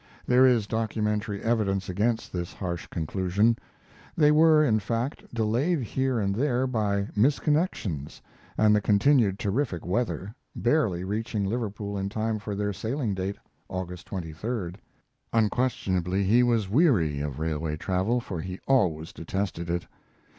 There is documentary evidence against this harsh conclusion. They were, in fact, delayed here and there by misconnections and the continued terrific weather, barely reaching Liverpool in time for their sailing date, August 23d. Unquestionably he was weary of railway travel, far he always detested it.